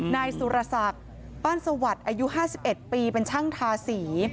นายสุรศักดิ์บ้านสวัสดิ์อายุ๕๑ปีเป็นช่างทาสี